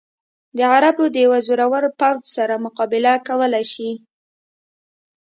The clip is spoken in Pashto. د عربو د یوه زورور پوځ سره مقابله کولای شي.